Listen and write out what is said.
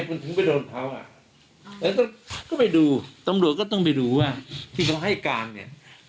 มันถึงไปโดนเขาอ่ะแล้วก็ก็ไปดูตำรวจก็ต้องไปดูว่าที่เขาให้การเนี่ย